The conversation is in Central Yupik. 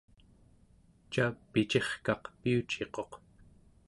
ca picirkaq piuciquq